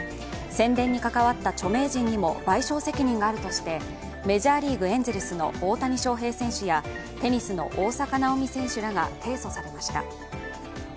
宣伝に関わった著名人にも賠償責任があるとしてメジャーリーグ・エンゼルスの大谷翔平選手やテニスの大坂なおみ選手らが提訴されました。